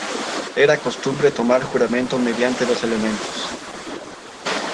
Era costumbre tomar juramento mediante los elementos.